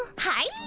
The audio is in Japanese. はい！